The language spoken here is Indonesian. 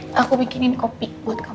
aku bikinin kopi buat kamu